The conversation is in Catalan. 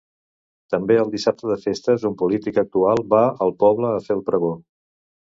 També el dissabte de festes, un polític actual va al poble a fer el pregó.